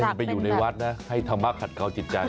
ให้มันไปอยู่ในวัดนะให้ธรรมคัดเข้าจิตใจ